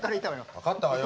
分かったわよ。